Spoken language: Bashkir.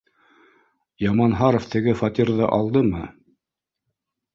— Яманһаров теге фатирҙы алдымы?